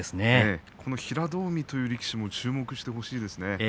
平戸海という力士も注目してほしいですね。